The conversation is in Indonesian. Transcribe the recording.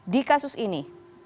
di kasus ini